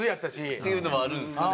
っていうのもあるんですかね。